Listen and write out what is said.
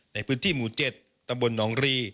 ในพื้นที่หมู่๗ตำบลหนองรี